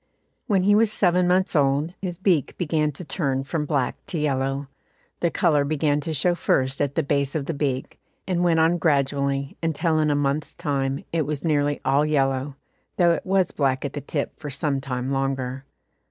When he was seven months old, his beak began to turn from black to yellow. The colour began to show first at the base of the beak, and it went on gradually, until in a month's time it was nearly all yellow, though it was black at the tip for some time longer.